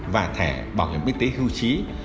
và thẻ bảo hiểm y tế hưu trí